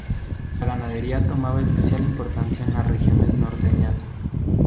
La ganadería tomaba especial importancia en las regiones norteñas.